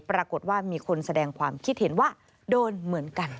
ปรากฏว่ามีคนแสดงความคิดเห็นว่าโดนเหมือนกัน